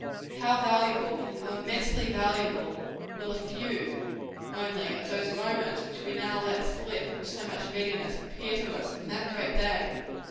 How valuable how immensely valuable will a few, only, of those moments which we now let slip with so much readiness, appear to us in that great day!